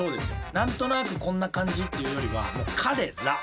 何となくこんな感じっていうよりはもう彼ら。